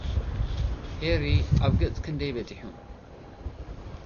ሃሪ፡ ኣብ ገጽ ክንደይ በጺሑ?